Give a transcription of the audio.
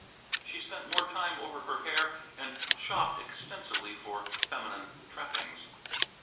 She spent more time over her hair and shopped extensively for feminine trappings.